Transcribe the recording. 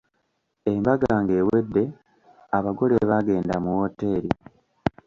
Embaga ng'ewedde, abagole baagenda mu wooteri.